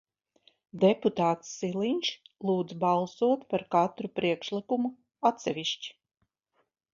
Deputāts Siliņš lūdz balsot par katru priekšlikumu atsevišķi.